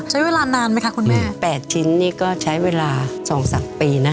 ใช้เวลานานไหมคะคุณแม่อืมแปดชิ้นนี่ก็ใช้เวลาสองสักปีนะคะ